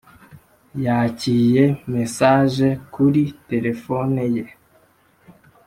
yakiye mesage kuri telefone ye